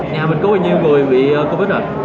nhà mình có bao nhiêu người bị covid rồi